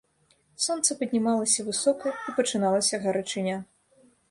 Сонца паднімалася высока, і пачыналася гарачыня.